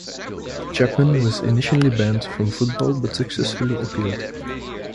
Chapman was initially banned from football but successfully appealed.